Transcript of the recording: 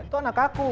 itu anak aku